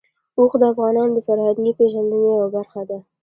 اوښ د افغانانو د فرهنګي پیژندنې یوه برخه ده.